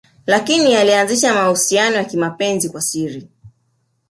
Lakini akaanzisha mahusiano ya kimapenzi kwa siri